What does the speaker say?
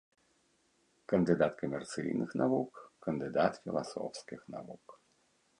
Кандыдат камерцыйных навук, кандыдат філасофскіх навук.